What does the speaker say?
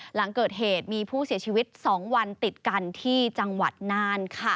หลังเกิดเหตุมีผู้เสียชีวิต๒วันติดกันที่จังหวัดน่านค่ะ